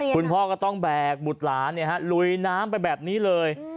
คุณพ่อก็ต้องแบกบุตรหลานลุยน้ำไปแบบนี้เลย